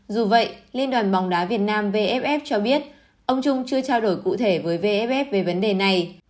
dù vậy liên đoàn bóng đá việt nam vff cho biết ông trung chưa trao đổi cụ thể với vff về vấn đề này